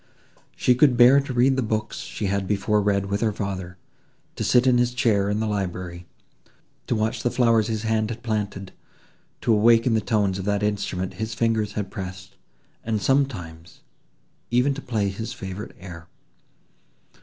She could bear to read the books she had before read with her father; to sit in his chair in the library—to watch the flowers his hand had planted—to awaken the tones of that instrument his fingers had pressed, and sometimes even to play his favourite air.